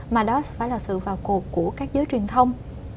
mà đó phải là sự vào cuộc của các giới truyền thông